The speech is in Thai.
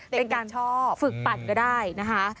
เป็นการชอบฝึกปั่นก็ได้นะคะ